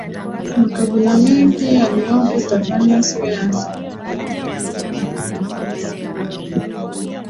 Makabila mengi yaliyopo Tanzania siyo ya asili ya hapa mengi yalihamia miaka ya zamani